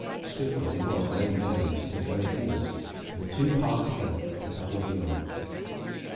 Swift as he was, the Lady Mary was at his very heels, and the two passed together into the hall beyond.